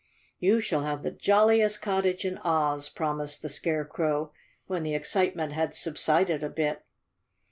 "You shall have the j oiliest cottage in Oz," promised the Scarecrow, when the excitement had subsided a bit.